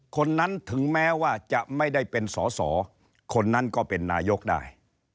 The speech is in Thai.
คนนั้นถึงแม้ว่าจะไม่ได้เป็นสอสอคนนั้นก็เป็นนายกได้